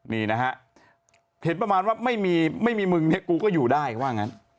นี่นะฮะเห็นประมาณว่าไม่มีไม่มีมึงเนี่ยกูก็อยู่ได้ว่างั้น